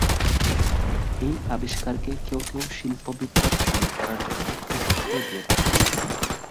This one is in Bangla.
এই আবিষ্কারকে কেউ কেউ শিল্প বিপ্লব শুরু করার জন্য কৃতিত্ব দিয়ে থাকেন।